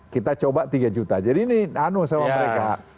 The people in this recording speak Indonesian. kita coba tiga juta jadi ini anu sama mereka